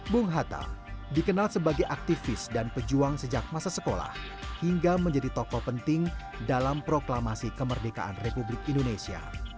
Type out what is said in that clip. bung hatta dikenal sebagai aktivis dan pejuang sejak masa sekolah hingga menjadi tokoh penting dalam proklamasi kemerdekaan republik indonesia